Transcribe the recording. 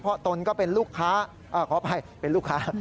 เพราะตนก็เป็นลูกค้าขออภัยเป็นลูกค้า